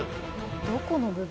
どこの部分？